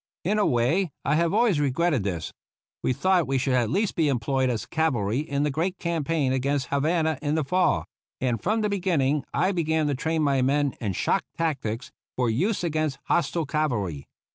In a way, I have always regretted this. We thought we should at least be employed as cavalry in the great campaign against Havana in the fall ; and from the beginning I began to train my men in shock tactics for use against hostile cavalry.